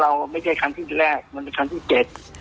มาแล้วลดเราไม่ใช่ครั้งที่แรกมันเป็นครั้งที่เจ็ด